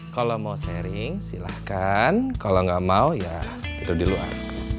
kalau mau sharing silahkan kalau nggak mau ya itu di luar